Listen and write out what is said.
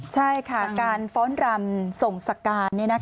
ใช่ค่ะการฟ้อนรำส่งสการ